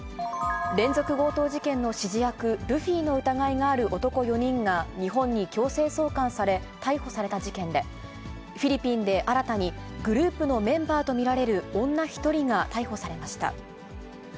連続強盗事件の指示役、ルフィの疑いがある男４人が日本に強制送還され、逮捕された事件で、フィリピンで新たにグループのメンバーと見られる女１人が逮捕されました。